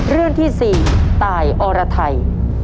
เรื่องที่๔ตายอรไทย